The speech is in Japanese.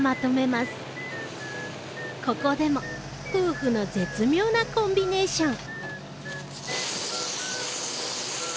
ここでも夫婦の絶妙なコンビネーション！